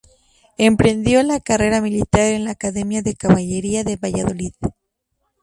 Emprendió la carrera militar en la Academia de Caballería de Valladolid.